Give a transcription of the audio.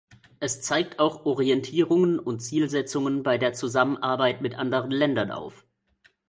Es zeigt auch Orientierungen und Zielsetzungen bei der Zusammenarbeit mit anderen Ländern auf.